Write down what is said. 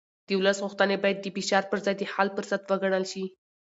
د ولس غوښتنې باید د فشار پر ځای د حل فرصت وګڼل شي